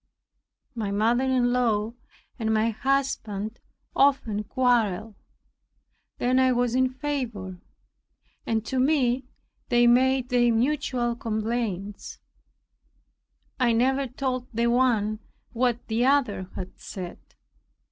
My mother in law and my husband often quarrelled. Then I was in favor, and to me they made their mutual complaints. I never told the one what the other had said.